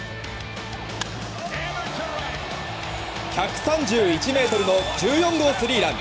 １３１ｍの１４号スリーラン！